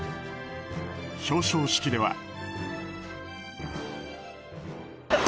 表彰式では。